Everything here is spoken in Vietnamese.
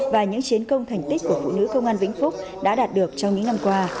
và những chiến công thành tích của phụ nữ công an vĩnh phúc đã đạt được trong những năm qua